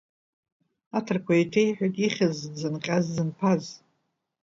Аҭырқәа еиҭеиҳәет ихьыз дзынҟьаз-дзынԥаз.